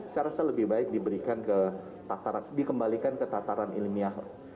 saya rasa lebih baik dikembalikan ke tataran ilmiah